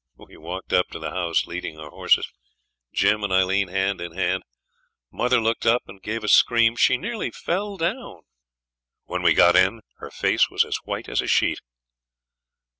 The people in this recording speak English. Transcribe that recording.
We walked up to the house, leading our horses, Jim and Aileen hand in hand. Mother looked up and gave a scream; she nearly fell down; when we got in her face was as white as a sheet.